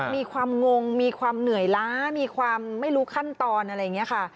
งงมีความเหนื่อยล้ามีความไม่รู้ขั้นตอนอะไรอย่างนี้ค่ะ